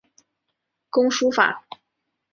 工书法。